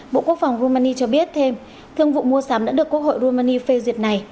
bộ quốc phòng rumani cho biết thêm thương vụ mua sắm đã được quốc hội rumani phê duyệt này